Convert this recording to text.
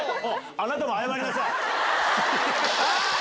あなたも謝りなさい。